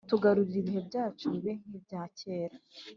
Tugarurire ibihe byacu, Bibe nk’ibya kera.